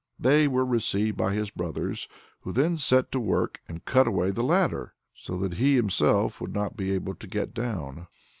They were received by his brothers, who then set to work and cut away the ladder, so that he himself would not be able to get down.